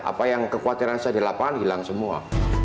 apa yang kekhawatiran saya di lapangan hilang semua